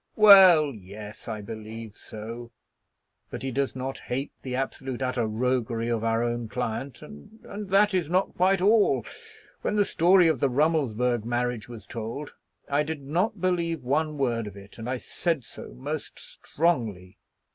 "Well; yes, I believe so. But he does not hate the absolute utter roguery of our own client. And that is not quite all. When the story of the Rummelsburg marriage was told I did not believe one word of it, and I said so most strongly.